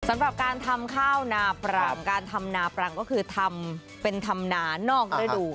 สำหรับการทำข้าวนาปรังการทำนาปรังก็คือทำเป็นทำนานอกระดูก